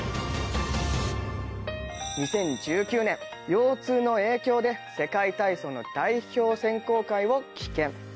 ２０１９年、腰痛の影響で世界体操の代表選考会を棄権。